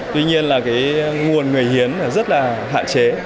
tuy nhiên là cái nguồn người hiến rất là hạn chế